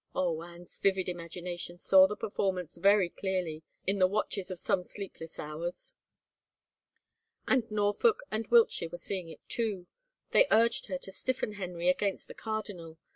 Oh, Anne's vivid imagination saw the performance very clearly in the watches of some sleepless hours. And Norfolk and Wiltshire were seeing it, too. They urged her to stiffen Henry against the cardinal.